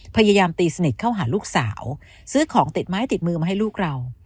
พยายามตีสนิทเข้าหาลูกสาวซื้อของติดไม้ติดมือมาให้ลูกเรา